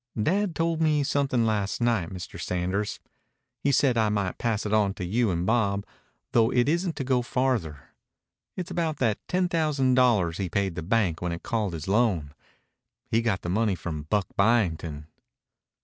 "Dad told me something last night, Mr. Sanders. He said I might pass it on to you and Bob, though it isn't to go farther. It's about that ten thousand dollars he paid the bank when it called his loan. He got the money from Buck Byington."